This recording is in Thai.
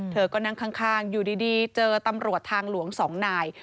เธอก็นั่งข้างอยู่ดีเจอตำรวจทางหลวง๒นาย